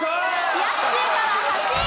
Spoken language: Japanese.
冷やし中華は８位。